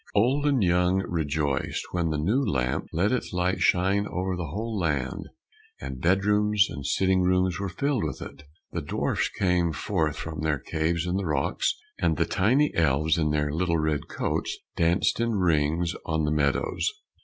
Old and young rejoiced, when the new lamp let its light shine over the whole land, and bed rooms and sitting rooms were filled with it. The dwarfs came forth from their caves in the rocks, and the tiny elves in their little red coats danced in rings on the meadows.